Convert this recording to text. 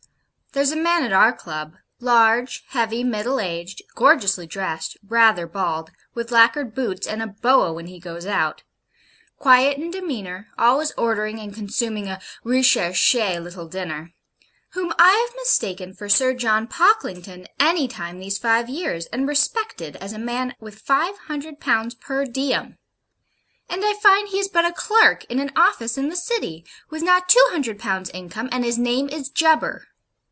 There's a man at our Club large, heavy, middle aged gorgeously dressed rather bald with lacquered boots and a boa when he goes out; quiet in demeanour, always ordering and consuming a RECHERCHE little dinner: whom I have mistaken for Sir John Pocklington any time these five years, and respected as a man with five hundred pounds PER DIEM; and I find he is but a clerk in an office in the City, with not two hundred pounds income, and his name is Jubber.